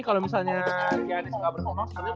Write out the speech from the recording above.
kalau misalnya giannis gak bersama